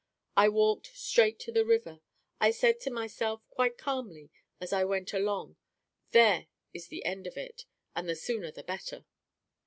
I walked straight to the river. I said to myself, quite calmly, as I went along, 'There is the end of it, and the sooner the better.'